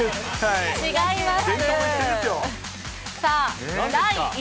違います。